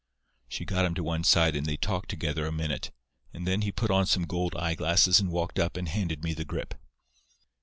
"She got him to one side and they talked together a minute, and then he put on some gold eyeglasses and walked up and handed me the grip.